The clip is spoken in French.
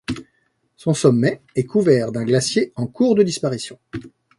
Son sommet est couvert d'un glacier en cours de disparition.